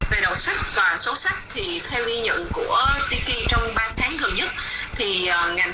về đầu sách và số sách